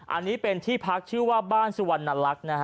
อันนี้เป็นที่พักชื่อว่าบ้านสุวรรณลักษณ์นะฮะ